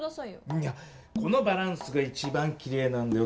いやこのバランスが一番きれいなんだよ。